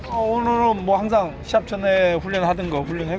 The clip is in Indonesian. seperti biasa memang satu hari sebelum pertandingan